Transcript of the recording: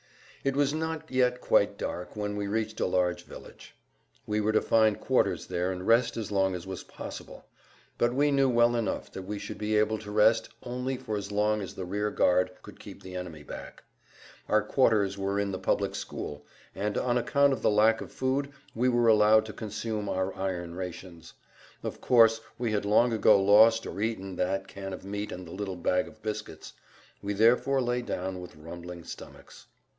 It was not yet quite dark when we reached a large village. We were to find quarters there and rest as long as was possible. But we knew well enough that we should be able to rest only for as long as the rear guard could keep the enemy back. Our quarters were[Pg 122] in the public school, and on account of the lack of food we were allowed to consume our iron rations. Of course, we had long ago lost or eaten that can of meat and the little bag of biscuits. We therefore lay down with rumbling stomachs.